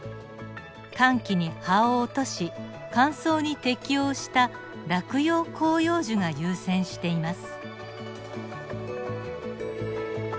乾季に葉を落とし乾燥に適応した落葉広葉樹が優占しています。